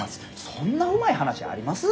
そんなうまい話あります？